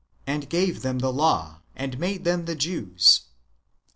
and gave them the law, and made them the Jews.